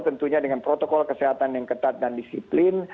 tentunya dengan protokol kesehatan yang ketat dan disiplin